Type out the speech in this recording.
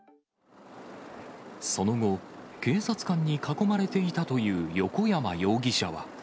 その後、警察官に囲まれていたという横山容疑者は。